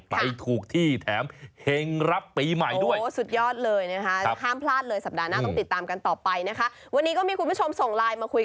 ปลายหนาวบางคนบอกว่าให้ทานต้มเลือดหมูร้อน